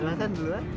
ekspand satu satu boleh